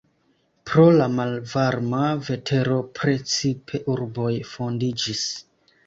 Pro la malvarma vetero precipe urboj fondiĝis.